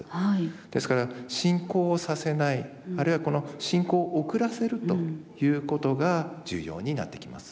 ですから進行をさせないあるいはこの進行を遅らせるということが重要になってきます。